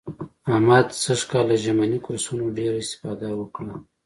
احمد سږ کال له ژمني کورسونو نه ډېره اسفاده وکړه.